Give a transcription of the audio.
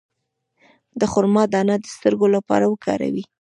د خرما دانه د سترګو لپاره وکاروئ